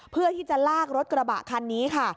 เพื่อที่จะลากรถกระบะคันนี้ค่ะ